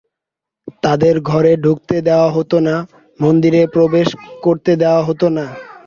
তাদের ঘরে ঢুকতে দেয়া হতো না, মন্দিরে প্রবেশ করতে দেয়া হতো না।